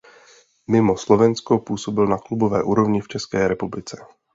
Mimo Slovensko působil na klubové úrovni v České republice.